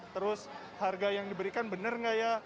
terus harga yang diberikan benar nggak ya